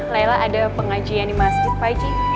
laila ada pengajian di masjid pak eji